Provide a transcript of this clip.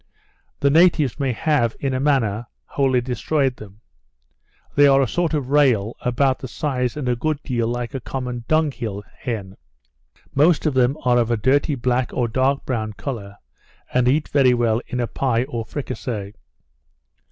The natives may have, in a manner, wholly destroyed them. They are a sort of rail, about the size and a good deal like a common dunghill hen; most of them are of a dirty black or dark brown colour, and eat very well in a pye or fricassée.